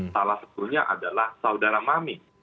salah satunya adalah saudara mami